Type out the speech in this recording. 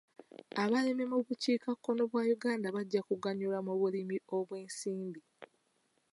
Abalimi mu bukiikakkono bwa Uganda bajja kuganyulwa mu bulimi obw'ensimbi.